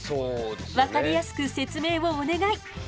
分かりやすく説明をお願い仙太くん！